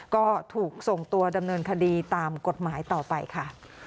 ก็ถูกส่งตัวดำเนินคดีตามกฎหมายต่อไปค่ะ